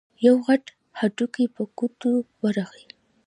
يو غټ هډوکی په ګوتو ورغی.